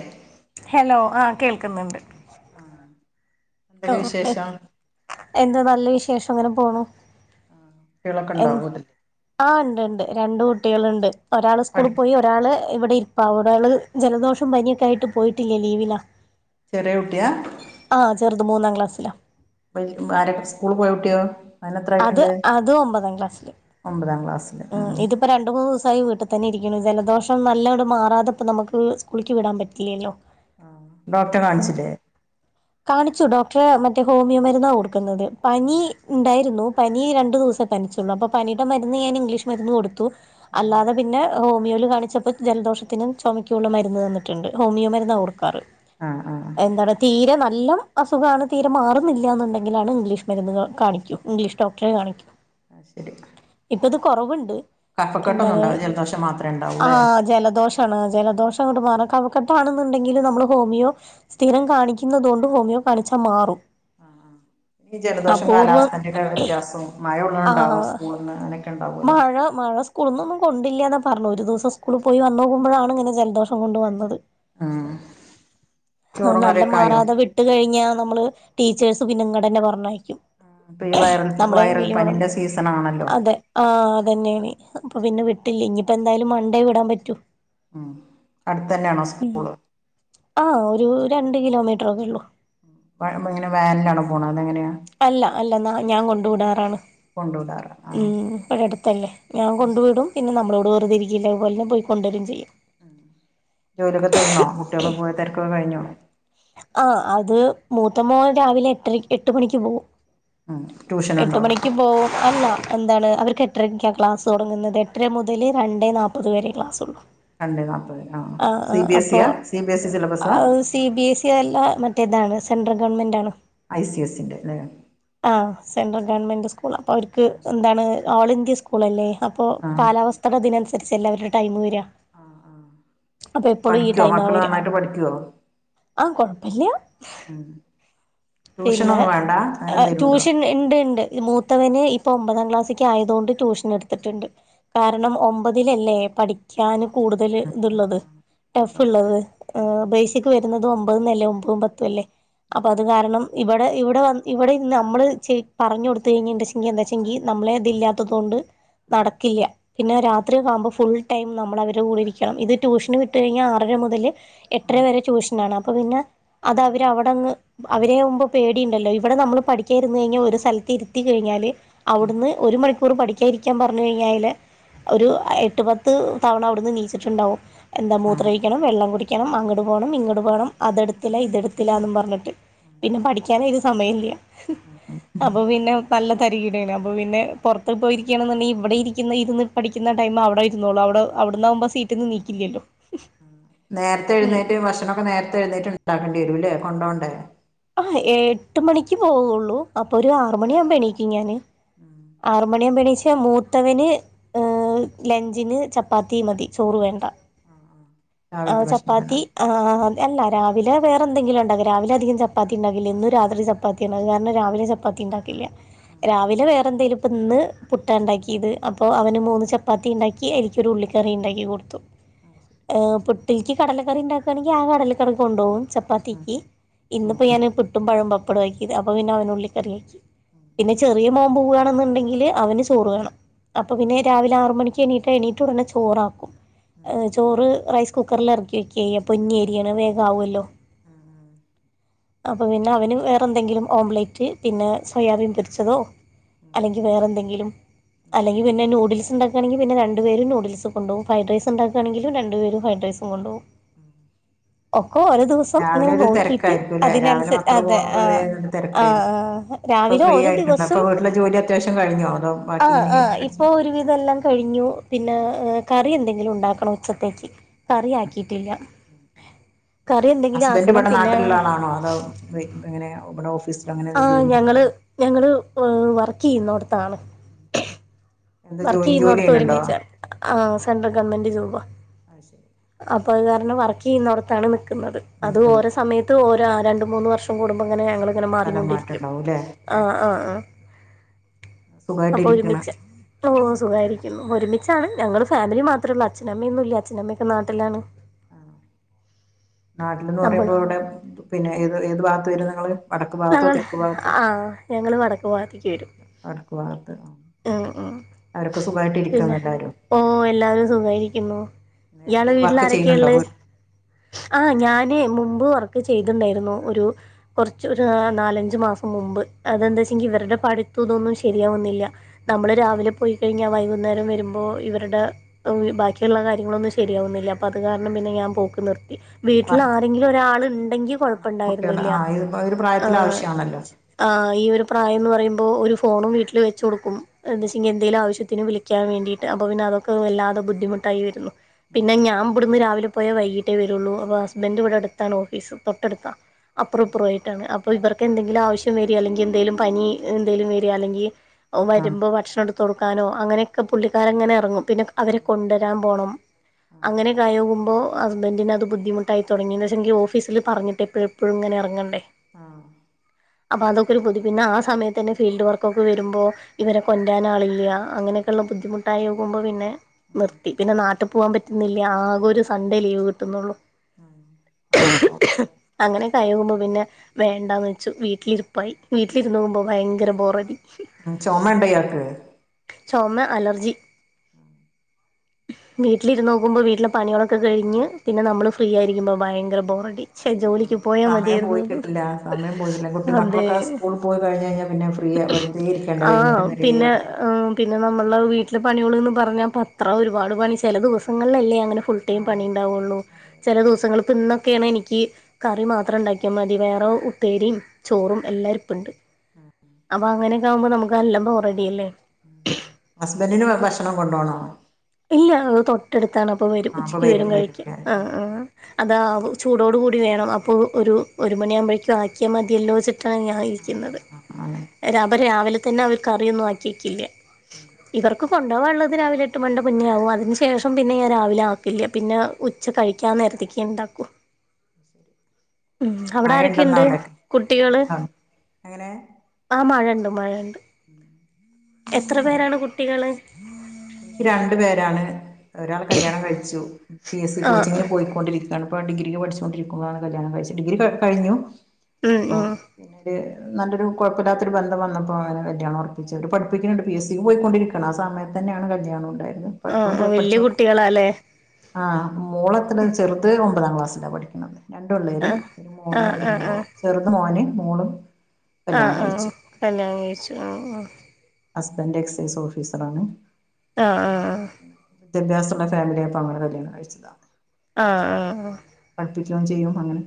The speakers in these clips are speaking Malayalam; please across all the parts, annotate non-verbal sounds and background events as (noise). (inaudible) ഹലോ ആ കേൾക്കുന്നുണ്ട് ആഹാ ഓ ഏഹ് എന്താ നല്ലവിശേഷം ഇങ്ങനെ പോണു കുട്ടിയോളെക്കെ എ വീട്ടില് ഉണ്ട് ണ്ട് രണ്ട്കുട്ടികള്ണ്ട് ഒരാള് പഠി സ്കൂളിപോയി ഒരാ ഒരാള് ഇവിടെ ഇരിപ്പാ ഒരാള് ജലദോഷം പനിയൊക്കെയിട്ട് പോയിട്ടില്ല ലീവിലാ ചെറിയെകുട്ടിയാ ആ ചെറുത് മൂന്നാം ക്ലാസ്സലാ പ്പ ഇപ്പാ സ്കൂൾപോയ കുട്ടിയോ അവന് എത്ര അത് ആയിട്ടുണ്ട് അത് ഒമ്പതാംക്ലാസ്സില് ഒമ്പതാം ക്ലാസ്സില് ഉം ഇത് ഇപ്പരണ്ട് മൂന്നിസായി വീട്ടിതന്നെ ഇരിക്കുന്നുജലദോഷം നല്ലണ്ട് മാറാതെപ്പനമുക്ക്സ്കൂളിക്ക് വിടാൻ പറ്റില്ലല്ലോ ആഹ് ഡോക്ടറെകാണിച്ചില്ലേ കാണിച്ചുഡോക്ടറെ മറ്റേഹോമിയോ മരുന്നാകൊടുക്കുന്നത് പനി ഉം ഉണ്ടായി ക്കുന്നു പനിരണ്ടുസം പനിച്ചുള്ളു അപ്പപനിടെ മരുന്ന്ഞാൻ ഇംഗ്ലീഷ് മരുന്ന് കൊടുത്തു അല്ലാതെ പിന്നെ ഹോമിയോല്കാണിച്ചപ്പോ ജലദോഷത്തിനും ചൊമക്കുള്ള മരുന്ന്തന്നിട്ടുണ്ട് ഹോമിയോ മരുന്നാണ് കൊട്ക്കാറ് ആഹ് ആഹ് എന്താണ് തീരെനല്ല അസുഖാണ് തീരെമാറുന്നില്ലന്നുണ്ടെങ്കിലാണ് ഇംഗ്ലീഷ്മരുന്ന് കാണിക്കു ഇംഗ്ലീഷ് ഡോക്ടറെ കാണിക്കും ആഹ്ശെരി ഇപ്പത് ഉണ്ടാവില്ല ജലദോഷം മാത്രമേ കൊറവുണ്ട്എന്താണ്ആ ഉണ്ടാവൂല്ലേ ജലദോഷം ണ് ജലദോഷംങ്ങണ്ട് കഫക്കെട്ടാണെന്നുണ്ടെങ്കിൽ നമ്മള് ഹോമിയോ സ്ഥിരംകാണിക്കുന്നുന്നത്കൊണ്ട് ഹോമിയോ കാണിച്ചാമാറും ആഹ് ആഹ് ഈജലദോഷം കാലാവസ്ഥക്കെന്റെ വ്യത്യാസവും മയ ഒള്ള ആഹ് മ ഴ മഴസ്കൂളന്നൊന്നും കൊണ്ടില്ലന്നാപറഞ്ഞ ഒരു ദിവംകൂൾ പോയിവന്നോക്കുമ്പോഴാണ് ഇങ്ങനെജലദോഷംകൊണ്ട് വന്നത് ഉം ആ ചോറും കറിയൊക്കെ ആയോ നല്ലമാറാതെവി ട്ട് കഴിഞ്ഞാനമ്മള്ടീച്ചേഴ്സ്പിന്നെ ഇങ്ങേണ്ടന്നെപർണയകും ഇപ്പ ഈ വൈൽ വൈറൽപനിന്റെ സീസണാണല്ലോ തെഹ് ആഹ് അത്തന്നെയാണ് അപ്പപിന്നെവിട്ടില്ലഇനിയിപ്പന്തായാലും മണ്ടേവിടാൻ പറ്റൂ ഉം അടുത്തന്നെയാണോസ് ഉം ആ ഒരു രണ്ട് കിലോമീറ്റർൊക്കെ ഉള്ളൂ (unintelligible) ഇങ്ങനെ വാനിലാണ പോണ അതെങ്ങനെയാ അല്ല അല്ല എന്നാ ഞാൻ കൊണ്ട് വിടാറാണ് കൊണ്ട വിടാറാണ് ഉം ഇപ്പോഴ അടുത്തല്ലേ ഞാൻ കൊണ്ടു വിടും പിന്നെ നമ്മളോട് വെറുതിരിക്കല്ലതു പോലെ പോയി കൊണ്ടരും ചെയ്യും ജോലിയൊക്കെ തീർന്നോ കുട്ടികൾ പോയി തിരക്കൊക്കെഴിഞ്ഞു ആഹ് അത് മൂത്ത മോൻ രാവിലെ എട്ടര എട്ട് മണിക്ക് പോകും ഉം എട്ട് ട്യൂഷനുണ്ടോ മണിക്ക് പോവും അല്ല എന്താണ് അവർക്ക് എട്ടരക്കാണ് ക്ലാസ്സ് തുടങ്ങുന്നത് എട്ടര മുതൽ രണ്ടേ നാൽപ്പത് വരെ ക്ലാസ്ള്ളു രണ്ട് നാൽപ്പത് ആ C B S ഇിയ C B S E സിലബസാ സി ബി എസ് ഇ അല്ല മറ്റേതാണ് സെൻട്രൽ ഗവൺമെൻറ് ആണ് ഐ സി എസിന്റെ അല്ലെ ആ സെൻട്രൽ ഗവൺമെന്റ് സ്കൂളാ അപ്പൊ അവർക്ക് ആഹ് എന്താണ് ഓൾ ഇന്ത്യ സ്കൂളല്ലേ അപ്പോൊ ആഹ് കാലാവസ്ഥയുടെ ഇതിനനുസരിച്ച് എല്ലാവരുടെ ടൈം വരാ ആഹ് അപ്പൊ എപ്പോഴും ഈ ടൈം ആ വര യിട്ട് പഠിക്കുവോ ആഹ് കൊഴപ്പല്യ ഉം ട്യൂഷന ഒന്നും വേണ്ട അങ്ങനെ എന്തേലുംണ്ടോ ട്യൂഷൻ ഉണ്ട് ഉണ്ട് മൂത്തവന് ഇപ്പൊ ഒമ്പതാം ക്ലാസ്സ്ക്ക് ആയതൊണ്ട് ട്യൂഷൻ എടുത്തിട്ടുണ്ട് കാരണം ഒമ്പതിലല്ലേ പഠിക്കാന് കൂടുതല് ഉം ഉം ഇത്ള്ളത് ഉം ടഫ് ഉണ്ടാവും ഉള്ളത് ഉം ബേസിക്ക് വരുന്നത് ഒമ്പതന്നല്ലേ ഒമ്പതും പത്തും അല്ലേ അപ്പൊ അത് കാരണം ഇവിടെ ഇവിടെ വന്ന് ഇവിടെ ഇന്ന് നമ്മൾ ച പറഞ്ഞഞ് കൊടുത്ത കഴിഞ്ഞുണ്ടെച്ചെങ്കിൽന്താ വച്ചെങ്കിൽ നമ്മളെ അതി ഇല്ലാത്തതുകൊണ്ട് ഉം ഉം നടക്കില്ല പിന്നെ രാത്രിയക്കവുമ്പോ ഫുൾ ടൈം നമ്മള അവരെ കൂടെയിരിക്കണം ഇത് ട്യൂഷന് വിട്ട് കഴിഞ്ഞൽ ആറര മുതൽ എട്ടര ഉം ഉം വരെ ട്യൂഷ ന്ന അപ്പപിന്നെ അത് അവര് ഉം അവിടങ്ങ് അവരെയാപ്പം പേടിയുണ്ടല്ലോ ഇവിടെ നമ്മൾ പഠിക്കാരുന്നു കഴിഞ്ഞാൽ ഒരു സ്ഥലത്ത് ഇരുത്തി കഴിഞ്ഞാല് ഉം ഉം അവിടുന്ന് ഒരു മണ പ്പൂറ് പഠിക്കാ ഇരിക്കാൻ പറഞ്ഞു കഴിഞ്ഞാല് ഒരു എട്ട് പത്ത് തവണ അവിടുന്ന് നീച്ചിട്ടുണ്ടാകും എന്താ ഉം മൂത്രഴിക്കണം വെള്ളം കുടിക്കണം അങ്ങോട്ട് പോകണം ഇങ്ങോട്ട് പോകണം അതെടുത്തില്ല ഇതെടുത്തില്ലാന്ന് പറഞ്ഞിട്ട് പിന്നെ പഠിക്കൻ ഒരു സമയം ഇല്ല ആഹ് അപ്പൊ പിന്നെ നല്ല തരികീടാണ് അപ്പൊ പിന്നെ പുറത്ത് പോയിരിക്കുകയാണെന്നുണ്ടെങ്കിൽ ഇവിടെ ഇരിക്കുന്ന ഇരുന്ന് പഠിക്കുന്ന ടൈമ് അവിടെ ഇരുന്നോളും അവിടെവിടന്നാവകുമ്പോ സീറ്റ്ന്ന് നിണീക്കില്ലല്ലോ നേരത്തെ എഴുനേറ്റ് ഭക്ഷണമൊക്കെ നേരത്തെ എഴുന്നേറ്റ് ഉണ്ടാക്കേണ്ടി വരൂല്ലേ കൊണ്ടോവണ്ടേ ആ എട്ട് മണിക്ക് പോവുള്ളൂ അപ്പൊ ഒരു ആറ് മണിയാമ്പോ എണീക്കും ഞാന് ആഹ് ആറ് മണിയാപ്പം പേണീച്ച മൂത്തവന് ഹ ലഞ്ചിന് ചപ്പാത്തി മതി ചോറ് വേണ്ട ആ ആ രാവിലത്തെ ഭക്ഷണം തന്നെ ചപ്പാത്തി മതി ആഹ് അതേ അല്ല രാവില വേറെന്തെങ്കിലും ഉണ്ടാക രാവിലധികം ചാത്തി ഉണ്ടാവില്ല ഇന്ന് രാത്രി ച ചപ്പാത്തിഅത് കാരണം രാവിലെ ചപ്പാത്തി ഉണ്ടാക്കില്ല ഉം ഉം രാവിലെ വേറെ എന്തേലും ഇപ്പൊന്ന് പുട്ട ഉം ഉണ്ടാക്കിയത് അപ്പോൾ അവന് മൂന്ന് ചപ്പാത്തി ഉണ്ടാക്കി അതിക്കൊരു ഉള്ളിക്കറി ഉണ്ടാക്കി കൊടുത്തു ആഹ് ശരി പുട്ടില്ക്ക് കടലക്കറി ഉണ്ടാക്കാണെങ്കിൽ ആ കടലക്കറി കൊണ്ടോകും ഉം ചപ്പാത്തിക്ക് ഉം ഇന്നിപ്പോ ഉം ഞാൻ പു ട്ടും പഴോം പപ്പടാകിയത് അപ്പൊ പിന്നെ അവനുള്ളി കറക്കിയാക്കി ഉം പിന്നെ ചെറിയ പോവാണെന്നുണ്ടെങ്കിൽ അവന് ചോറ് വേണം അപ്പൾ പിന്നെ ചോറാ രാവിലെ ആറ് മണിക്ക് എണീട്ട് എണീട്ട് ഉടനെ ചോറാക്കും ഉം എ ചോറ് റൈസ് കുക്കറിൽ ഇറക്കി വെക്കച്ചെയ പൊന്നി അരിയാണ് വേഗാവോല്ലോ ഉം ഉം അപ്പൊ പിന്നെ അവന് വേറെ എന്തെങ്കിലും ഓംലെറ്റ് പിന്നെ സോയാബീൻ പോരിച്ചതോ ഉം അല്ലെങ്കിൽ വേറെ എന്തെങ്കിലും ഉം അല്ലെങ്കിൽ പിന്നെ നൂഡിൽസ് ഉണ്ടാ അങ്ങനാണങ്കിൽപിന്നെ രണ്ടു പേരും നൂഡിൽസ് കൊണ്ടുപോവുംഫൈ ഡ്രൈസ് ഉണ്ടാക്കാണങ്കിലും രണ്ടു പേരും ഫൈ ഡ്രൈസ് കൊണ്ടുപോവും ഉം (unintelligible) ഒക്കൊ ഒരു അങ്ങനെ ദിവസം രാവിലെ ഇങ്ങനെ ഒരു നോക്കിട്ട് തിരക്കായിരിക്കുംല്ലേ രാവിലെ അതിനനുസരി മക്കള് അതെ പോണുമ്പോ വരെ ആഹ് ഒരു ആഹ് തിരക്കായിരിക്കും ആഹ് രാവിലെ ഓരോദിവസം അത്യാവിശം കഴിഞ്ഞോ അതോ ബാക്കി ആഹ് ഇനി ആഹ് അടിച്ച് ഇപ്പോൾ ഉം ഒരുവിധം ല്ലാം കഴിഞ്ഞു പിന്നെ ഏ കറി എന്തെങ്കിലും ഉണ്ടാക്കണം ഉച്ചക്കത്തേക്ക് ഉം കറി ഉം ആക്കിട്ടില്ല ഉം ഉം കറി എന്തെങ്കിലും ആക്കണം പിന്നെ ആ (unintelligible) (unintelligible) ഇങ്ങനെ ഇവിട ഓഫീസ് ആഹ് ഞങ്ങള് ഞങ്ങള് വർക്ക് ചെയ്യുന്നടത്താണ് എന്താ വർക്ക് ജോലി ജോലി ചെയ്യുന്നോടത്ത് ചെയ്യണുണ്ടോ ഒരുമിച്ച ആ സെൻട്രൽ ഗവൺമെന്റ് ജോബ് അത് ശരി അപ്പൊ അത് കാരണം വർക്ക് ചെയ്യുന്ന ഇടത്താണ് നിക്കുന്നത് അത് നിക്കണ് ഓരോ സമയത്ത് ത്ത് ഒ രണ്ട് മൂന്ന് വർഷം കൂടുമ്പോൾ അങ്ങനെ ഞങ്ങളിങ്ങനെ സ്ഥലം മാറിക്കൊണ്ടിരിക്കും മാറ്റണ്ടാവൂല്ലേ ഉം ആഹ് ആഹ് ആഹ് സുഖായിട്ട് അപ്പൊ ഇരിക്കണ് ഒരുമിച്ച് ഓ സുഖായിരിക്കുന്നു ഒരുമിച്ചാണ് ഞങ്ങള്ൾ ഫാമിലി മാത്രമ ഉള്ളൂ അച്ഛനമ്മയൊന്നും ഇല്ല അച്ഛനമ്മൊക്കെ നാട്ടിലാണ് ആണോ നാട്ടിലന്ന് നമ്മളും പറയുമ്പോൾ ഇവിടെ പിന്നെ ഏത് ഏത് ഭാഗത്ത് വരും നിങ്ങള് വടക്ക് ഭാഗത്തോ ഞങ്ങൾ തെക്ക് ഭാഗത്തോ ആ ഞങ്ങൾ വടക്ക് ഭാഗത്തേക്ക് വരും വടക്ക് ഭാഗത്ത് ഏഹ് ഏഹ് അവരൊക്കെ സുഖമായിട്ട് പിന്നെ ഇരിക്കുന്നു എല്ലാരും ഓ എല്ലാവരും സുഖായിരിക്കുന്നു വേറെ ഇയാള് എന്തെങ്കിലും വീട്ടില വർക്ക് ആരൊക്കെയ ചെയ്യുന്നുണ്ടോ വീ ഉള്ളത് ആഹ് ഞാന് മുമ്പ് വർക്ക് ചെയ്തിണ്ടായിരുന്നു ഒരു കുറച്ച് ഒരു നാലഞ്ചു മാസം മുമ്പ് അതെന്താ വെച്ചെങ്കിൽ ഇവരുടെ പഠിത്തും ഇതൊന്നും ശരിയാവുന്നില്ല നമ്മള് രാവിലെ പോയി കഴിഞ്ഞാ വൈകുന്നേരം വരുമ്പോ ഇവരുടെ ബാക്കിയുള്ള കാര്യങ്ങളൊന്നും ശരിയാവുന്നില്ല അപ്പൊ അത് കാരണം പിന്നെ ഞാൻ പോക്ക് നിർത്തി വീട്ടിൽ വർക്ക് ആരെങ്കിലും ഒരാൾ ഉണ്ടെങ്കി വേണം കുട്ടികള് കൊഴപ്പുണ്ടായിരുന്നില്ല ആ ഇത് ഒരു പ്രായത്തിൽ ആഹ് ആവശ്യമാണല്ലോ ഈ ഒരു പ്രായംന്ന് പറയ്പോൾ ഒരു ഫോണൺ വീട്ടിൽ വെച്ച് കൊടുക്കും എന്ന് വെച്ചെങ്കിൽ എന്തെങ്കിലും ആവശ്യ ആവശ്യത്തിന് വിളിക്കാൻ വേണ്ടിട്ട് അപ്പൊ പിന്നെ അതൊക്കെ വല്ലാതെ ബുദ്ധിമുട്ടായി വരുന്നു പിന്നെ ഞാൻ ഇവിടുന്ന് രാവില പോയ വൈകീട്ടേ വരുള്ളൂ അ ഹസ്ബൻറ് ഇവിടെടുത്താണ് ഓഫീസ് തൊട്ടടുത്താ അപ്പുറോം ഇപ്പുറോം ആയിട്ടാണ് അപ്പ ഇർക്ക് എന്തെങ്കിലും ആവശ്യം (unintelligible) അല്ലെങ്കിൽ എന്തെങ്കലും പനി എന്തേലും വരിക ആണങ്കിൽ ആഹ് വരുമ്പോ ഭക്ഷണം എടുത്ത് ട്ത്ത്കൊടുക്കാനോ അങ്ങനെയൊക്കെ പുള്ളിക്കാരങ്ങനെ ഇറങ്ങും പിന്നെ അവരെ ആഹ് കൊണ്ടുവരാൻ പോണം ആഹ് അങ്ങനെ കെഴിയോമ്പോ ഹസ്ബന്റിന് അത് ബുദ്ധിമുട്ടായി തുടങ്ങിന്ന് വച്ച ഓഫീസിൽ പറഞ്ഞിട്ട് എപ്പോഴും എപ്പോഴും ഇങ്ങനെ ഇറങ്ങണ്ടേ ആഹ് അപ്പ അതൊക്കെ ഒരുബുദ്ധിമുട്ട് പിന്നെ ആ സമയത്ത് തന്നെ ഫീൽഡ് വർക്കൊക്കെ വരുമ്പോൾ ഇവരെ കൊറ്റാനാളില്ല അങ്ങനെയൊക്കെയുള്ള ബുദ്ധിമുട്ടായികുമ്പോൾ പിന്നെ ഉം നിർത്തി പിന്നെ നാട്ടിൽ പോകാൻ പറ്റുന്നില്ലേ ആകെ ഒരു സൺഡേ ലീവ് കിട്ടുന്നുള്ളൂ ഉം അങ്ങനെ അങ്ങനെ കഴിയുമ്പോ പിന്നെ വേണ്ടാന്ന് വെച്ചു വീട്ടിലിരിപ്പാ പോയി വീട്ടിലിരുന്ന് പോകുമ്പോൾ ഭയങ്കര ബോറായി ഉ ചുമ ഉണ്ടഇയാൾക്ക് ചുമ അലർജി വീട്ടിലിരു നോക്കുമ്പോൾ വീട്ടിലെ പണികളൊക്കെ കഴിഞ്ഞ് പിന്നെ നമ്മൾ ഫ്രീ ആയിരിക്കുമ്പോൾ ഭയങ്കര ബോറ ഡി ശെ ജോലിക്ക് പോയാ സമയം മതിായിരുന്നു പോയി കിട്ടില്ല സമയം പോയിട്ടില്ല കുട്ടി അ അതേ മക്കളൊക്കെ സ്കൂളിൽ പോയി കഴിഞ്ഞ് കഴിഞ്ഞാൽ പിന്നെ ഫ്രീ വെറുതെ ഇരിക്കേണ്ട ആഹ വൈകുന്നേരം വരെ പിന്നെ വെറുതെ പിന്നെ നമ്മൾ വീട്ടിലെ പണികളന്ന് പറഞ്ഞാൽ അത്ര ഒരുപാട് പണി ചില ദിവസങ്ങളിലല്ലേ അങ്ങനെ ഫുൾ ടൈം ആഹ് പണിയ ഉണ്ടാവുകയുള്ളൂ അതെ അതെ ചില ദിവസങ്ങളൾ ഇപ്പൾ ഇന്നൊക്കെയാണ് എനിക്ക് കറി മാത്രം ഉണ്ടാക്കിയാൽ മതി വേറെ (inaudible) ചോറും എല്ലാവും ഇപ്പം ഉണ്ട് അപ്പൊ അങ്ങനെയൊക്കെ ആകുമ്പോ നമുക്ക് എല്ലാം ബോറഡി അല്ലേ ഹസ്ബന്റിന് ഭക്ഷണം കൊണ്ടോണോ ഇല്ല ത് തൊട്ടെടുത്താണ് അപ്പോ വരും ആഹ് അപ്പൊ ഉച്ചയ്ക്ക് വരും കഴിക്ക വരൂല്ലേ ആഹ് ആഹ് അതാ വു ചൂടോടു കൂടി വേണം അപ്പോ ഒരു ഒരു മണിയാബഴേക്കും ആക്കിയാ മതിയെല്ലോ വെച്ചി ഞ ആഹ് ഇരിക്കുന്നത് ആഹ് ആഹ് ആഹ് അവര് രാവിലെ തന്നെ അവര് ക്കറിയൊന്നും ആക്കിയക്കില്ല ഉം ഇവർക്ക് കൊണ്ടോവാൻ ഒള്ളത് രാവിലെ എട്ട് മണ്ടം മുന്നെയാവു അതിന് ശേഷം പിന്നെ ഞാൻ രാവിലെ ആക്കില്ല പിന്നെ ഉച്ച കഴിക്കാൻ നേരത്തേക്കെ ഇണ്ടാക്കൂ ഉം അവിട മഴയുണ്ടോന്ന് ആരെക്കെണ്ട് അവിടൊക്കെ കുട്ടികള് മഴയുണ്ടോ എങ്ങനെ ആഹ് മഴണ്ട് മഴണ്ട് ഉം എത്ര പേരാണ് കുട്ടികള് എനിക്ക് രണ്ട് പേരാണ് ഒരാൾ കല്യാണം കഴിച്ചു പി എസ് സി ആഹ് കോച്ചിങ്ങിന് പോയിക്കൊണ്ടിരിക്കയാണ് ഇപ്പോ ഡിഗ്രിക്ക് പഠിച്ചൊണ്ടിരിക്കുമ്പാണ് കല്യാണം കഴിച്ച ഡിഗ്രി ക കഴിഞ്ഞു ഉം അപ്പം ഉം പിന്നീട് നല്ലൊരു കുഴപ്പല്ലാത്തൊരു ബന്ധം വന്നപ്പോ അങ്ങനാ കല്യാണം ഉറപ്പിച്ച് അവര് പഠിപ്പിക്കണുണ്ട് പി എസ് സി പോയിക്കൊണ്ടിരിക്കും ആ സമയത്ത് തന്നെയാണ് കല്യാണം ഉണ്ടായത് ആഹ് ആഹ് വെല്യ കുട്ടികളാല്ലേ ആഹ് മൂളത്തിന് ചെറുത് ഒൻപതാം ക്ലാസ്സില പഠിക്കണത് രണ്ട് പിള്ളേര് ആഹ് ഒരു മോനും ആഹ് ഒരു ആഹ് മോളും ചെറുത് മോന് മോളും കല്യാണം ആഹ് ആഹ് കഴിച്ചു കല്യാണം കഴിച്ചു ആഹ് ആഹ് ഹസ്ബൻറ് എക്സൈസ് ഓഫീസർ ആണ് ആഹ് ആഹ് ആഹ് വിദ്യാഭ്യാസുള്ള ഫാമിലി അപ്പോ അങ്ങന കല്യാണം കഴിച്ചതാ ആഹ് ആഹ് പഠിപ്പിക്കുയും ചെയ്യും അങ്ങനെ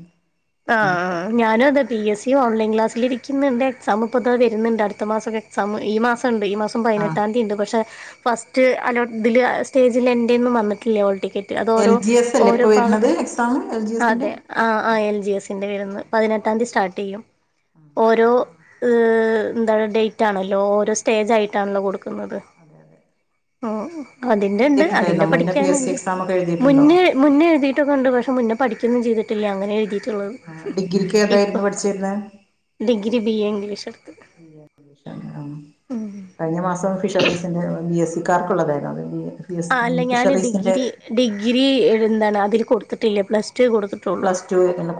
ആഹ് അങ്ങനെയൊക്കെ ആഹ് ഞാനും അതെ പി എസ് സിയും ഓൺലൈൻ ക്ലാസ്സില് ഇരിക്കുന്നുണ്ട് എക്സാം ഇപ്പോ ദാ വരുന്നുണ്ട് അടുത്ത മാസക്കോ എക്സാം ഈ മാസംണ്ട് ഈ മാസം ആഹ് പായിനെട്ടാംന്ദി ഉണ്ട് പഷേ ഫസ്റ്റ് അലോ ഇതില് സ്റ്റേജിൽ എന്റെ ഒന്നും വന്നിട്ടില്ലേ ഓൾടിക്കറ്റ് അത് എൽ ഒരോ ജി എസ് അല്ലേ ഓരോ ഇപ്പൊ വരുന്നത് ഭാഗത്ത് എക്സാം എൽ ജി എസിന്റെ അതെ ആഹ് ആഹ് എൻ ജി എസിന്റെ വെരുന്ന് പതിനൊട്ടംതി സ്റ്റാർട്ട്‌എയും ഓരോ ഇഹ് എന്താണ് ഡേറ്റ് ആണല്ലോ ഓരോ സ്റ്റേജ് ആയിട്ടാണല്ലോ കൊടുക്കുന്നത് അതെ അതെ ഉം മുന്നേ അതിന്റെ ഉണ്ട് അതിന്റെ എഴുതിയിട്ടുണ്ടായിരുന്നോ മുന്നേ പി എസ് സി പഠിക്കാനുണ്ട് എക്സാം ഒക്കെ എഴുതിയിട്ടുണ്ടോ മുന്നേ മുന്നെഴുതിയിട്ടൊക്ക ഉണ്ട് പക്ഷേ മുന്നേ പഠിക്കൊന്നും ചെയ്തിട്ടില്ല അങ്ങെന എഴുതിട്ട് ളു ആഹ് ഡിഗ്രിക്ക് ഏതായിരുന്നു ഇപ്പം പഠിച്ചിരുന്നെ ഡിഗ്രി ബി എ ഇംഗ്ലീഷ് എടുത്ത് ഇംഗ്ലീഷാണ് ആഹ് കഴിഞ്ഞ മാസം ഫിഷറീസിന്റെ ബി എസ് സിക്കാർക്കുള്ളതായിരുന്നു അത് ബി എ ആഹ് അല്ല ഞാന് ഡിഗ്രി ഡിഗ്രി എന്താണ് അതില് കൊടുത്തിട്ടില്ല പ്ലസ് ടുവെ കൊടുത് പ്ലസ് ടു വെക്കനം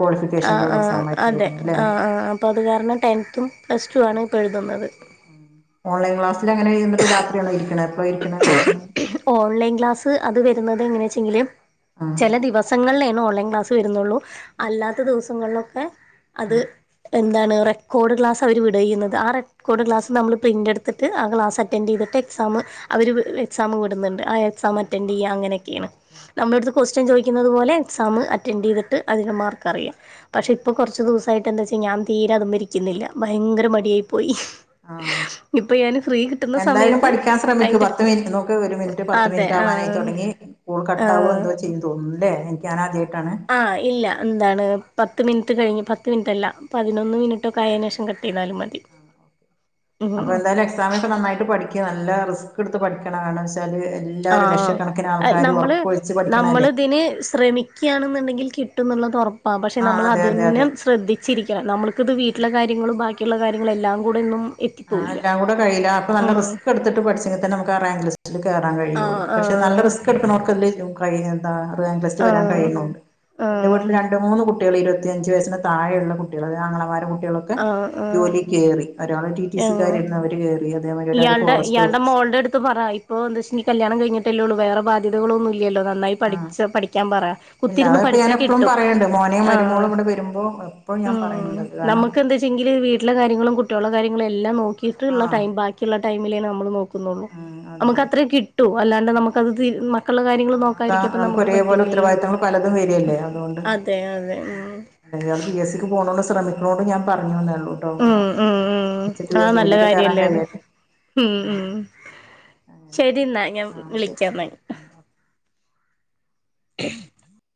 ആഹ് ആഹ് അതെ ആഹ് ആഹ് അപ്പോ അത് കാരണം ടെൻത്തും പ്ലസ് ടു ആണ് ഇപ്പോ എഴുതുന്നത് ആഹ് ഓൺലൈൻ ക്ലാസിൽ അങ്ങനെയിരുന്നിട്ട് രാത്രിയാണൊ ഇരിക്കണെ എപ്പ ഇരിക്കണ് ക്ലാസ്സിന് ഓൺലൈൻ ക്ലാസ് അത് വരുന്നത് എങ്ങനെ വെച്ചെങ്കില് ആഹ് ല ദിവസങ്ങളെണു ഓൺലൈൻ ക്ലാസ്സ് വരുന്നുള്ളൂ അല്ലാത്ത ദിവസങ്ങളിലൊക്കെ അത് ആഹ് എന്താണ് റെക്കോർഡ് ക്ലാസ്സ്‌ അവർ വിടെയുന്നത് ആ റെക്കോഡ് ആഹ് ക്ലാസ്സ്‌ നമ്മൾ പ്രിന്റ് എടു ത്തിട്ട് ആ ക്ലാസ്സ് അറ്റൻഡ് ചെയ്തിട്ട് എക്സാംമ് അവർ വി എക്സാം വിടുന്നുന്നുണ്ട് ആ എക് ആഹ് സാംമറ്റന്റ് ചെയ്യാം അങ്ങനെയൊക്കെയാണ് ആണല്ലേ നമ്മടുത് കൊസ്റ്റയ്ൻ ചോദിക്കുന്നത് പോലെ എക്സാം അറ്റൻഡ് ചെയ്തിട്ട് അതിന് മാർക്ക് അറിയാം പക്ഷെ ആഹ് ഇപ്പ കുറച്ച് ദിവസ അായിട്ട് എന്താ വെച്ചാ ഞാൻ തീരെ അതും മെയിരിക്കുന്നില്ല ഭയങ്കര മടിയായി പോയി ആഹ് ഇപ്പൊ ഞാന് ഫ്രീ കിട്ടുന്ന സമയത്ത് ക്ക് അയിന്റെ പത്ത് മിനിറ്റ് നോക്ക ഒരു മിനിറ്റ് പത്ത് അതെ മിനിറ്റ് ആവാനായി ആഹ് തുടങ്ങി കൊൾ കട്ട ആവോ ആഹ് എന്തോ ചെയ് തോന്ല്ലേ എനിക്കാ ഞാൻ ആദ്യായിട്ടാണ് ആഹ് ഇല്ല എന്താണ് പത്ത് മിനിറ്റ് കഴിഞ്ഞ് പത്ത് മിനിറ്റല്ല പതിനൊന്ന് മിനിറ്റൊക്കെ ആയെന് ശേഷം കട്ട് ചെയ്താലും മതി (inaudible) ആഹ് ഓക്കെ അപ്പൊ എന്തായാലും എക്സാമൊക്കെ നന്നായിട്ട് പഠിക്കുക നല്ല റിസ്ക് എടുത്ത് പഠിക്കണ വേണം വെച്ചാല് എല്ലാരും ലക്ഷക്കണക്കിന് ആഹ് ആൾക്കാര് നമ്മള് ഉറക്കൊഴിച്ച് നമ്മള് പഠിക്കണല്ലേ ഇതിന് ശ്രമി ക്കാണെന്നുണ്ടെങ്കിൽ കിട്ടുന്നുള്ളത് ഉറപ്പാണ് പക്ഷെ ആഹ് നമ്മൾ അതെ അത് അതെ തന്നെ അതെ ശ്രദ്ധി ചിരിക്കണം നമ്മുക്കിത് വീട്ടിലെ കാര്യങ്ങളും ബാക്കിയുള്ള കാര്യങ്ങളും എല്ലാം കൂടെ ഒന്നും ആഹ് എത്തിപ്പോവില്ല എല്ലാം കൂടി കഴിയില്ല അപ്പൊ നല്ല ഉം റിസ്‌ക് എടുത്ത് ട്ട് പഠിച്ചെങ്കില് തന്നെ നമുക്കാ റാങ്കില് ലിസ്റ്റ് കേയറാ കഴിയുള്ളൂ ആഹ് പക്ഷെ നല്ല ആഹ് റിസ്ക് എടുക്കോർക്ക എന്താ റാങ്ക്‌ലിസ്റ്റ് വരാൻ ആഹ് കഴിയുന്നുണ്ട് എന്റെ ആഹ് വീട്ടിൽ രണ്ട് മൂന്ന് കുട്ട കുട്ടിക ഇരുപത്തിയഞ്ച് വയസിന് താഴെയുള്ള കുട്ടികൾ ആങ്ങളമാര കുട്ടികളൊക്കെ ആഹ് ജോലി ആഹ് കറി ഒരാ ആഹ് (unintelligible) അവര് കേറി ഇയാളുടെ ഇയാളുടെ മോളുടെ അടുത്ത് പറ ഇപ്പോ എന്ത വെച്ച കല്യാണം കഴിഞ്ഞട്ടല്ലേ ഉള്ളൂ വേറെ ബാധ്യതകളൊന്നും ഇല്ലല്ലോ. നന്നായി ആഹ് പഠിച്ച പഠിക്കാൻ പറ ഇല്ല കുത്തിരുന്ന് അതൊക്കെ പഠിച്ചാ ഞാൻ എപ്പോഴും കിട്ടും പറയണ്ട് മോന് ആഹ് മരുമോളും ഇവിടെ വരുമ്പോ ഇപ്പോ ഞാൻ ഉം പറയുന്നുണ്ട് കാരണം നമുക്ക് എന്താ വീട്ടിലെ കാര്യങ്ങളും കുട്ടികള കാര്യങ്ങളും എല്ലാം ആ നോക്കിയിട്ടുള്ള ടൈം ബാക്കിയുള്ള ടൈമിലേ നമ്മൾ നോക്കു ആ അതെ നമുക്ക് അതെ അത്ര കിട്ടൂ അല്ലാണ്ട് നമുക്ക്ത് ആ കാര്യങ്ങൾ അതാ നോക്കാരിക്കപ്പ നമുക്ക് ഒരേപോലെ പറ്റില്ലല്ലോ ഉത്തരവാദിത്തങ്ങൾ പലതും വരികല്ലേ അതെ അതെ. നിങ്ങള് പി എസ് സിക്ക് പോണോണ്ട് ശ്രമിക്കണോണ്ട് ഞാൻ പറഞ്ഞുന്നേ ഉള്ളൂ. ഉം ഉം ഉം ആഹ് നല്ല കേറാൻ കാര്യല്ലേ അത് കഴിയട്ടെ ഉം ആഹ് ഉം. അങ്ങനെ ശരി എന്നാ ഞാൻ ആഹ് ശരി വിളിക്കാ എന്ന ആഹ് (unintelligible)